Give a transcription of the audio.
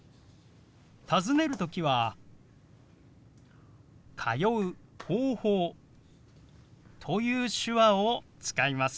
尋ねる時は「通う方法」という手話を使います。